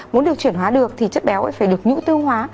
muốn được chuyển hóa được thì chất béo phải được nhũ tiêu hóa